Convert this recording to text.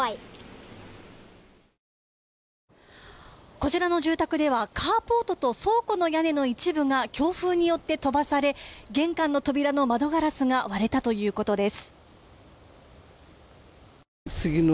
こちらの住宅ではカーポートと倉庫の屋根の一部が強風によって飛ばされ、玄関の扉の窓ガラスが割れたということです。